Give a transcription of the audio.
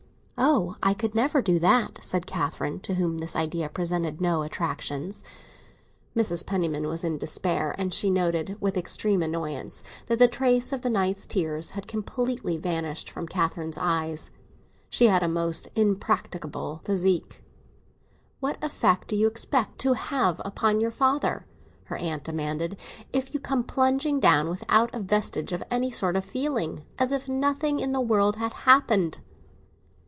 "Oh, I could never do that!" said Catherine, to whom this idea presented no attractions. Mrs. Penniman was in despair, and she noted, with extreme annoyance, that the trace of the night's tears had completely vanished from Catherine's eyes. She had a most impracticable physique. "What effect do you expect to have upon your father," her aunt demanded, "if you come plumping down, without a vestige of any sort of feeling, as if nothing in the world had happened?"